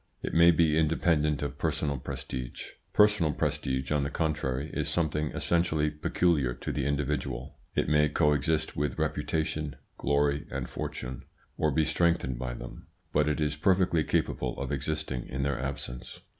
It may be independent of personal prestige. Personal prestige, on the contrary, is something essentially peculiar to the individual; it may coexist with reputation, glory, and fortune, or be strengthened by them, but it is perfectly capable of existing in their absence.